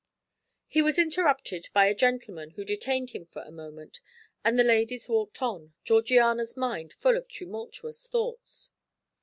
He was interrupted by a gentleman who detained him for a moment, and the ladies walked on, Georgiana's mind full of tumultuous thoughts.